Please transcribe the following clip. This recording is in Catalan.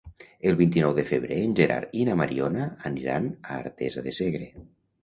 El vint-i-nou de febrer en Gerard i na Mariona aniran a Artesa de Segre.